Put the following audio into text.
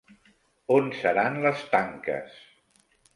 On seran les tanques?